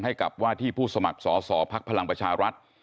ให้กับว่าที่ผู้สมัครสอสอภักดิ์พลังประชารัฐ